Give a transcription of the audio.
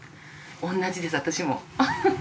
同じです私も。